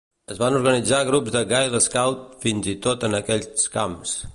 Es van organitzar grups de girl scouts, fins-i-tot en aquells camps.